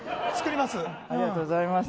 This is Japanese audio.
ありがとうございます。